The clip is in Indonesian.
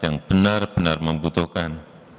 yang benar benar membutuhkan